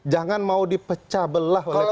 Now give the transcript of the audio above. jangan mau di pecah belah oleh politisi